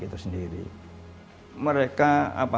itu sendiri mereka